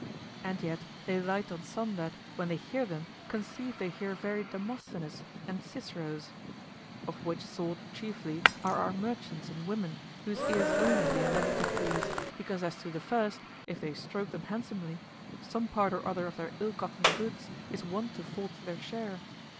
And yet they light on some that, when they hear them, conceive they hear very Demosthenes and Ciceroes: of which sort chiefly are our merchants and women, whose ears only they endeavor to please, because as to the first, if they stroke them handsomely, some part or other of their ill gotten goods is wont to fall to their share.